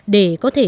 để có thể tìm ra